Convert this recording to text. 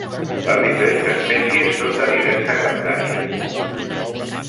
Les diferents espècies són de diversa grandària.